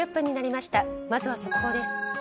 まずは速報です。